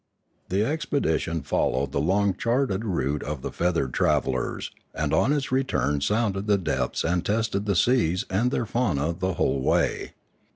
The expedition followed the long charted route of the feathered travellers, and on its return sounded the depths and tested the seas and their fauna the whole way.